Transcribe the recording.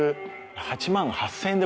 ８万８０００円で